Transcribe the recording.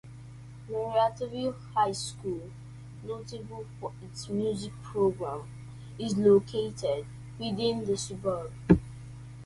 Marryatville High School, notable for its music program, is located within the suburb.